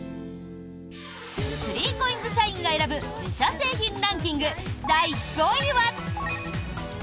３ＣＯＩＮＳ社員が選ぶ自社製品ランキング第５位は。